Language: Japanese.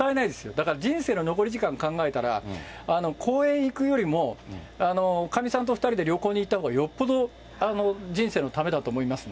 だから人生の残り時間考えたら、講演行くよりも、かみさんと２人で旅行に行ったほうがよっぽど人生のためだと思いますね。